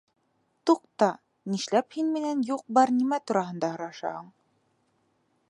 Туҡта, нишләп һин минән юҡ-бар нәмә тураһында һорашаһың?